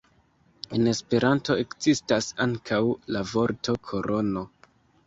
En Esperanto ekzistas ankaŭ la vorto korono.